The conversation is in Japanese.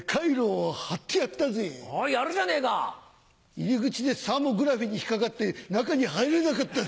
入り口でサーモグラフィーに引っ掛かって中に入れなかったぜ！